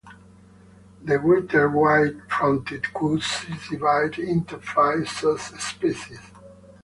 The greater white-fronted goose is divided into five subspecies.